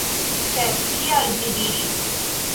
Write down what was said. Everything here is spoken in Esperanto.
Sed kial vi diris?